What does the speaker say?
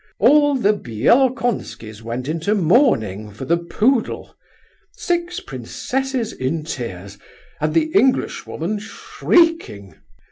All the Bielokonskis went into mourning for the poodle. Six princesses in tears, and the Englishwoman shrieking!